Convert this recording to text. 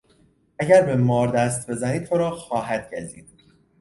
اگر به مار دست بزنی تو را خواهد گزید.